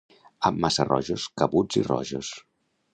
A Massarrojos cabuts i rojos